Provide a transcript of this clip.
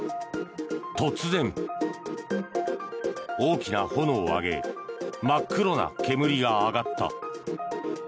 突然、大きな炎を上げ真っ黒な煙が上がった。